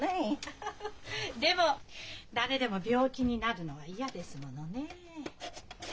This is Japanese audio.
アハハハでも誰でも病気になるのは嫌ですものねえ。